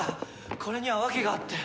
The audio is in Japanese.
これには訳があって。